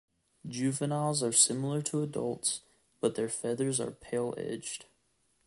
Juveniles are similar to adults, but their feathers are pale edged.